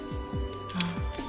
ああ。